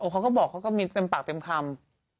เขาก็บอกเขาก็มีเต็มปากเต็มคำ